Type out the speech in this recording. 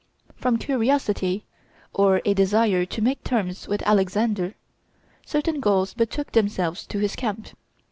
From curiosity, or a desire to make terms with Alexander, certain Gauls betook themselves to his camp.